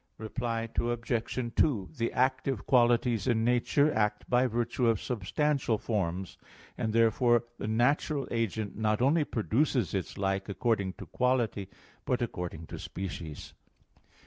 Reply Obj. 2: The active qualities in nature act by virtue of substantial forms: and therefore the natural agent not only produces its like according to quality, but according to species.